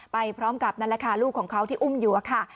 ไปพร้อมกับนั่นแหละค่ะลูกของเขาที่อุ้มอยู่อะค่ะ